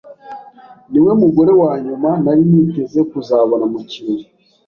Niwe mugore wa nyuma nari niteze kuzabona mu kirori.